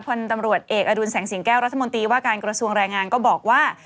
พลตำรวจเอกอดุลแสงสิงแก้วรัฐมนตรีว่าการกระทรวงแรงงานก็บอกว่า